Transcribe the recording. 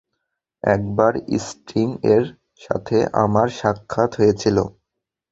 একবার স্টিং এর সাথে আমার সাক্ষাৎ হয়েছিল।